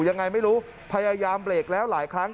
ยังไงไม่รู้พยายามเบรกแล้วหลายครั้ง